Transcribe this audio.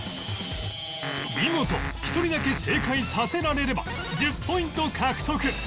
見事１人だけ正解させられれば１０ポイント獲得